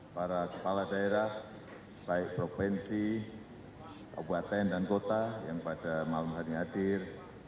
para kepala daerah baik provinsi kabupaten dan kota yang pada malam hari hadir